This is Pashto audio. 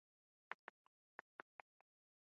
پابندي غرونه د خلکو له اعتقاداتو سره تړاو لري.